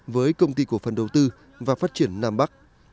với công ty cổ phần đầu tư và phát triển nam bắc